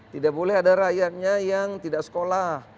tidak boleh ada rakyatnya yang tidak sekolah